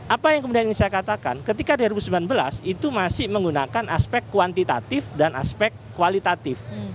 apa yang kemudian ingin saya katakan ketika dua ribu sembilan belas itu masih menggunakan aspek kuantitatif dan aspek kualitatif